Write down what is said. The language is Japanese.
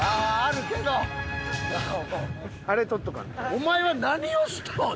お前は何をしとん？